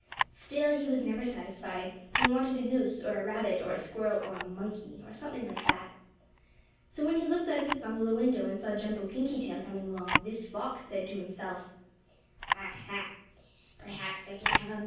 Still he was never satisfied. He wanted a goose, or a rabbit, or a squirrel, or a monkey, or something like that. So when he looked out of his bungalow window, and saw Jumpo Kinkytail coming along, this fox said to himself: "Ah, ha!